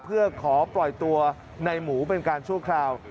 เพื่อขอปล่อยตัวในหมูเป็นการชั่วคราว